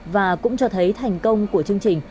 và cũng cho thấy thành công của chương trình